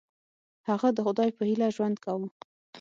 هغه د خدای په هیله ژوند کاوه.